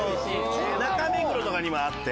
中目黒とかにもあって。